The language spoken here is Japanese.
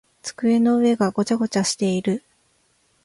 机の上がごちゃごちゃしている。